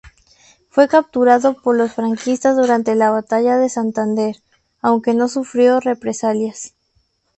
Fue capturado por los franquistas durante la batalla de Santander, aunque no sufrió represalias.